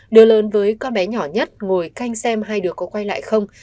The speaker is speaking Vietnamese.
đưa lớn với con bé nhỏ nhất ngồi canh xem hai đứa có quay lại không